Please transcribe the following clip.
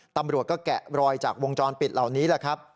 ตำรวจก็แกะรอยจากวงจรปิดเหล่านี้แหละครับ